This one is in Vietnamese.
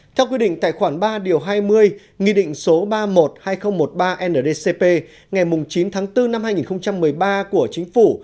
theo quy định tài khoản ba điều hai mươi nghị định số ba mươi một hai nghìn một mươi ba ndcp ngày chín tháng bốn năm hai nghìn một mươi ba của chính phủ